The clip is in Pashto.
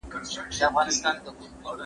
زه به اوږده موده د زده کړو تمرين کړی وم!؟